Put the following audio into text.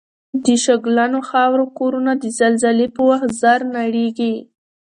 د شګلنو خاورو کورنه د زلزلې په وخت زر نړیږي